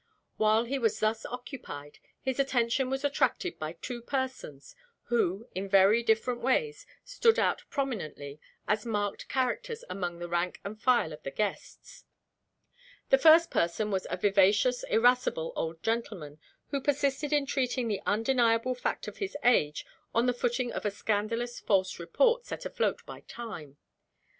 While he was thus occupied, his attention was attracted by two persons who, in very different ways, stood out prominently as marked characters among the rank and file of the guests. The first person was a vivacious, irascible old gentleman, who persisted in treating the undeniable fact of his age on the footing of a scandalous false report set afloat by Time.